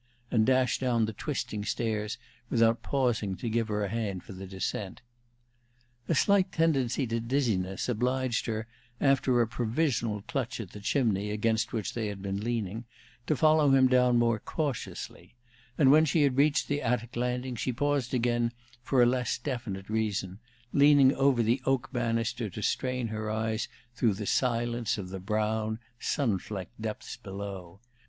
and dash down the twisting stairs without pausing to give her a hand for the descent. A slight tendency to dizziness obliged her, after a provisional clutch at the chimney against which they had been leaning, to follow him down more cautiously; and when she had reached the attic landing she paused again for a less definite reason, leaning over the oak banister to strain her eyes through the silence of the brown, sun flecked depths below.